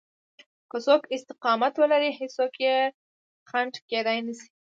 که څوک استقامت ولري هېڅوک يې خنډ کېدای نشي.